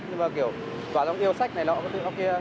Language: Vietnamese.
nhưng mà kiểu quán giống yêu sách này nọ cũng tự nó kia